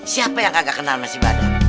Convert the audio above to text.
siapa yang kagak kenal sama si badar